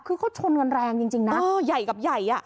คือเขาชนเงินแรงจริงนะเออใหญ่กับใหญ่อ่ะ